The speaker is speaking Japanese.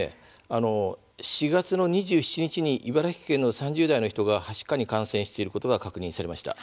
４月２７日に茨城県の３０代の人がはしかに感染していることが確認されました。